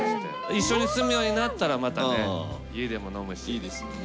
一緒に住むようになったらまたね、いいですよね。